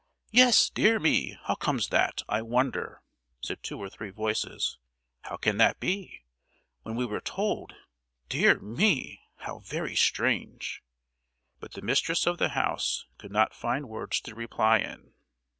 "Yes; dear me! how comes that, I wonder!" said two or three voices. "How can that be? When we were told—dear me! How very strange!" But the mistress of the house could not find words to reply in.